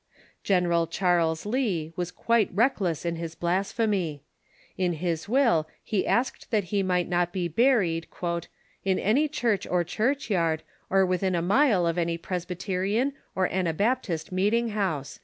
General Charles Lee was quite reckless in his blasphemy. In his will he asked that he might not be buried " in any church or church yard, or within a mile of any Presbyterian or Ana baptist meeting house."